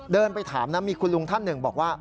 เดินไปถามนะมีคุณลุงท่านหนึ่งบอกว่า